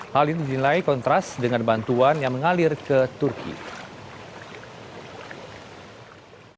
hal ini dinilai kontras dengan bantuan yang mengalir ke turki